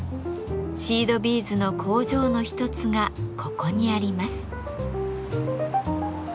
シードビーズの工場の一つがここにあります。